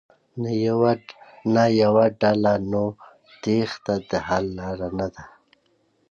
نه يوه ډله ،نو تېښته د حل لاره نه ده.